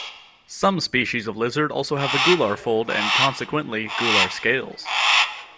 Some species of lizard also have a gular fold and consequently, gular scales.